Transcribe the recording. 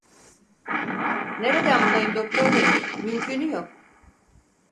Nereden bulayım doktor bey! Mümkünü yok.